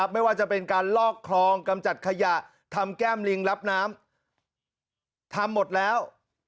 ไม่ว่าจะเป็นการลอกคลองกำจัดขยะทำแก้มลิงรับน้ำทำหมดแล้ว